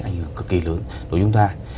ảnh hưởng cực kỳ lớn đối với chúng ta